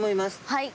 はい。